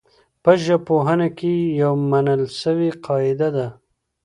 په ژبپوهنه کي يوه منل سوې قاعده ده.